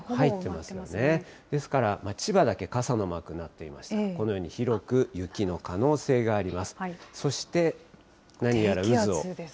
ですから、千葉だけ傘のマークになってますが、このように広く雪の可能性があります。